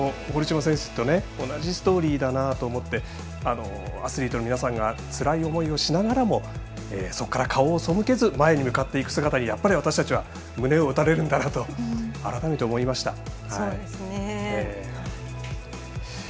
堀島選手と同じストーリーだなと思ってアスリートの皆さんがつらい思いをしながらもそこから顔を背けず前に向かっていく姿にやっぱり私たちは胸を打たれるんだなと改めて思いました。